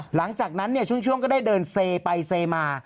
หลังจากนั้นช่วงก็ได้เดินเซไปเซมา